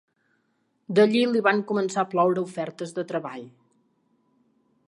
D'allí li van començar a ploure ofertes de treball.